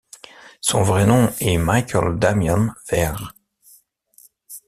Son vrai nom est Michael Damian Weir.